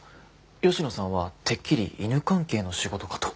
吉野さんはてっきり犬関係の仕事かと。